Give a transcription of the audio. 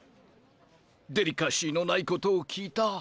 デリカシーのないことを聞いた。